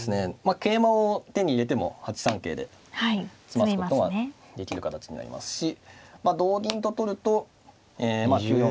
桂馬を手に入れても８三桂で詰ますことができる形になりますし同銀と取ると９四桂とですね